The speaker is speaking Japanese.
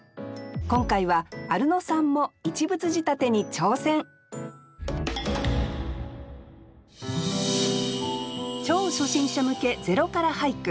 今回はアルノさんも一物仕立てに挑戦超初心者向け「０から俳句」。